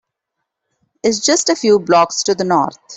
It’s just a few blocks to the North.